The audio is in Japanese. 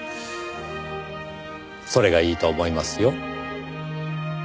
それがいいと思いますよ。